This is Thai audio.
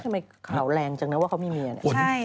เราแรงจังว่าเค้าไม่มีอันนี้